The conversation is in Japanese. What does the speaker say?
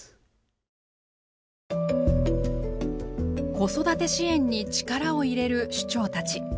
子育て支援に力を入れる首長たち。